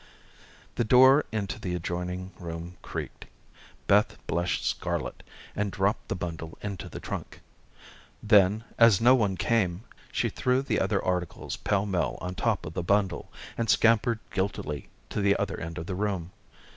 The door into the adjoining room creaked. Beth blushed scarlet, and dropped the bundle into the trunk. Then as no one came, she threw the other articles pell mell on top of the bundle, and scampered guiltily to the other end of the room.